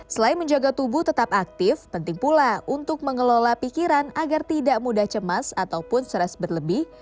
selain menjaga tubuh tetap aktif penting pula untuk mengelola pikiran agar tidak mudah cemas ataupun stres berlebih